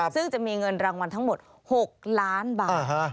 ซึ่งจะมีเงินรางวัลทั้งหมด๖ล้านบาท